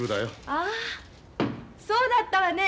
ああそうだったわね。